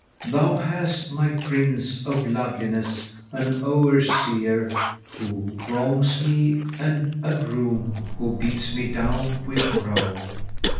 Thou hast, my prince of loveliness! an Overseer,[FN#492] * Who wrongs me, and a Groom[FN#493] who beats me down with brow.